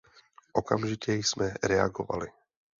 Okamžitě jsme reagovali.